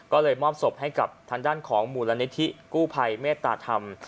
ก็เลยมอบศพให้กับทางด้านของมูลนิธิกู้ภัยเมตตาธรรม